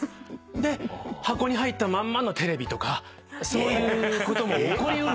で箱に入ったまんまのテレビとかそういうことも起こりうるんで。